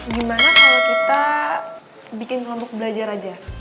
gimana kalau kita bikin kelompok belajar aja